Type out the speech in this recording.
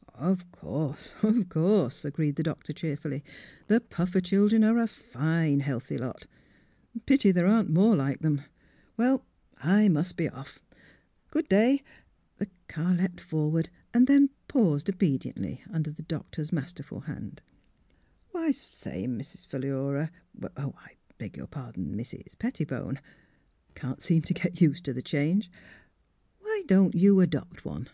" Of course — of course! " agreed the doctor cheerfully. " The Puffer children are a fine healthy lot. Pity there aren't more like 'em. (Well, I must be off. Good day!" The car leapt forward ; then paused obediently Tinder the doctor's masterful hand. '' Oh, I say, Miss Philura! — er — I beg your pardon — Mrs. Pettibone — Can't seem to get used to the change — why don't you adopt one?